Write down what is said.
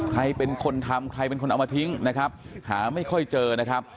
ใครเป็นคนทำใครเป็นคนเอามาทิ้งนะครับหาไม่ค่อยเจอนะครับ